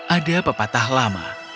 ada pepatah lama